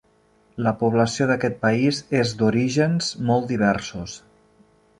La població d'aquest país és d'orígens molt diversos.